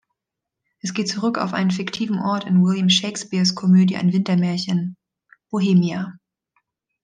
Es geht zurück auf einen fiktiven Ort in William Shakespeares Komödie Ein Wintermärchen: "„Bohemia.